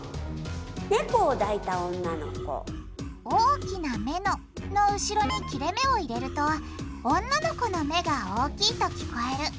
「大きな目の」の後ろに切れめを入れると女の子の目が大きいと聞こえる。